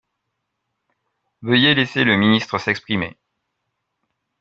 Veuillez laisser le ministre s’exprimer.